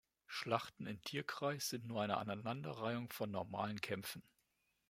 Schlachten in "Tierkreis" sind nur eine Aneinanderreihung von normalen Kämpfen.